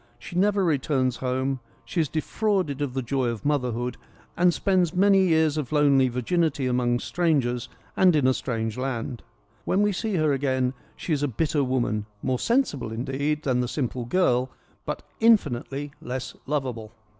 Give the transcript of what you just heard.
She never returns home ; she is de frauded of the joy of motherhood, and spends many years of lonely virginity among strangers and in a strange land. When we see her again she is a bitter woman, more sensible, indeed, than the simple girl, but infinitely less lovable.